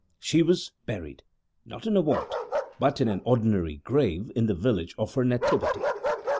She was buried not in a vault, but in an ordinary grave in the village of her nativity.